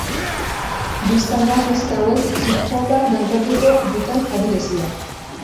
Bistan da neska hauek hip hopa dantzatzeko duten abilezia.